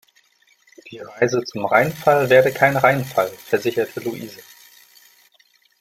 Die Reise zum Rheinfall werde kein Reinfall, versicherte Louise.